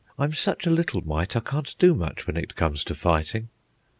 I'm such a little mite I can't do much when it comes to fighting."